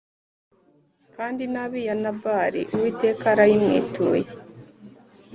Kandi inabi ya Nabali Uwiteka arayimwituye.